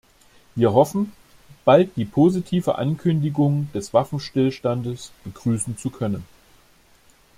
Wir hoffen, bald die positive Ankündigung des Waffenstillstandes begrüßen zu können.